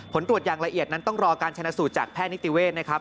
ผลตรวจอย่างละเอียดนั้นต้องรอการชนะสูตรจากแพทย์นิติเวศนะครับ